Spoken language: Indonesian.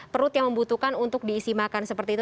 perut yang membutuhkan untuk diisi makan seperti itu